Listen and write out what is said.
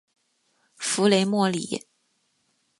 弗雷默里。